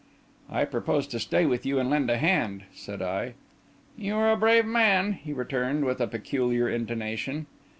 "I propose to stay with you and lend a hand," said I. "You are a brave man," he returned, with a peculiar intonation.